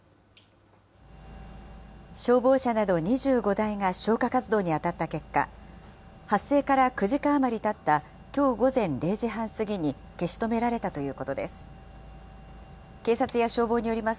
消防車など２５台が消火活動に当たった結果、発生から９時間余りたった、きょう午前０時半過ぎに消し止められたということです。